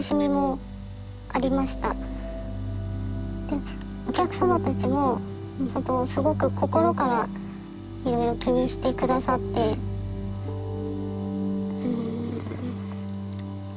でお客様たちもほんとすごく心からいろいろ気にして下さってうん。